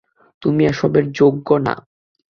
তুমি এসবের যোগ্য না।